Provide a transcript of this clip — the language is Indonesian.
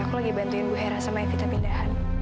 aku lagi bantuin bu hera sama evita pindahan